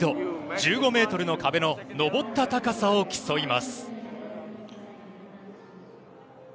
１５ｍの壁の登った高さを競います。